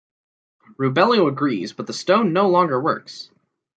Rubello agrees, but the stone no longer works.